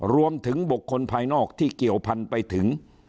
รวมถึงบุคคลภายนอกที่เกี่ยวพันไปถึง